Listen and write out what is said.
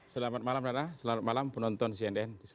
selamat malam nana selamat malam penonton cndn di seluruh indonesia